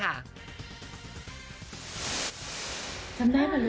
จำได้ป่ะหรือ